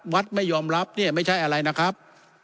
วัดไม่ยอมรับเนี่ยไม่ใช่อะไรนะครับ